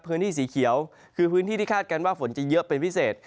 พื้นที่สีเขียวคือพื้นที่ที่คาดการณ์ว่าฝนจะเยอะเป็นพิเศษ